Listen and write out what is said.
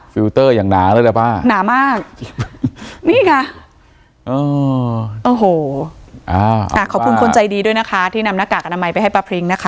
ฟิลเตอร์อย่างหนาเลยหรือเปล่าหนามากนี่ค่ะขอบคุณคนใจดีด้วยนะคะที่นำหน้ากากอนามัยไปให้ป้าพริงนะคะ